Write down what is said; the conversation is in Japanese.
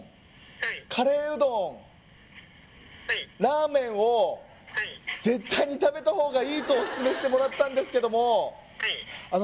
☎はいカレーうどん☎はいラーメンを☎はい絶対に食べた方がいいとオススメしてもらったんですけども